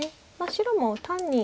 白も単に。